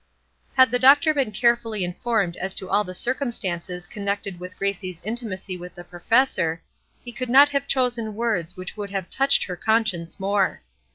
Had the doctor been carefully informed as to all the circumstances connected with Gracie's intimacy with the professor, he could not have chosen words which would have touched her conscience more.